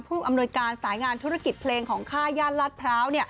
อำนวยการสายงานธุรกิจเพลงของค่าย่านลาดพร้าว